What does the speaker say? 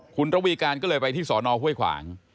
คุณระวีการก็เลยไปที่สอนอห้วยขวาง